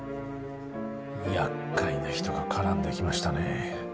やっかいな人が絡んできましたね